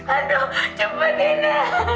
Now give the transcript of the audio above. aduh cepat ina